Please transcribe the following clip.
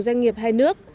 doanh nghiệp hai nước